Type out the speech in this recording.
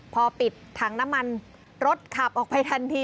พอปิดถังน้ำมันรถขับออกไปทันที